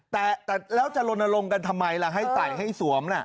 แต่แล้วจะลนลงกันทำไมล่ะให้ใส่ให้สวมล่ะ